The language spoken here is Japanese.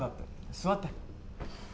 座って。